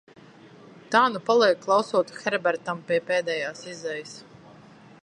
Tā nu palieku klausot Herbertam pie pēdējās izejas.